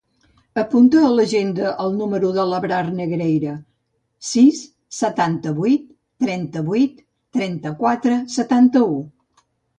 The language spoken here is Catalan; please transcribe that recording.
Apunta a l'agenda el número de l'Abrar Negreira: sis, setanta-vuit, trenta-vuit, trenta-quatre, setanta-u.